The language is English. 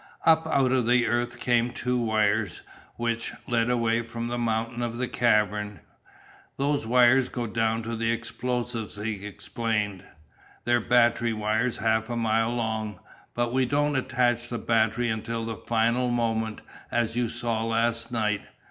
Up out of the earth came two wires, which led away from the mouth of the cavern. "Those wires go down to the explosives," he explained. "They're battery wires half a mile long. But we don't attach the battery until the final moment, as you saw last night.